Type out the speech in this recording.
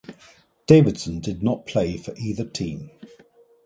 Davidson did not play for either team.